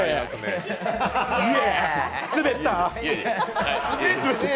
スベったー！